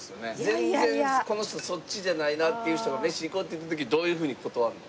全然この人そっちじゃないなっていう人が飯行こうって言った時どういうふうに断るの？